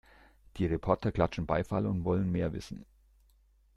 Die Reporter klatschen Beifall und wollen mehr wissen.